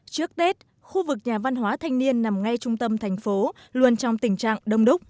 trước tết khu vực nhà văn hóa thanh niên nằm ngay trung tâm thành phố luôn trong tình trạng đông đúc